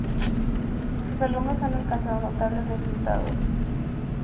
Sus alumnos han alcanzado notables resultados.